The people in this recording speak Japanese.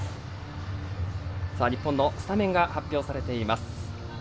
日本のスタメンが発表されています。